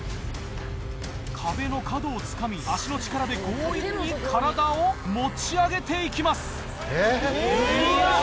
壁の角をつかみ足の力で強引に体を持ち上げて行きます。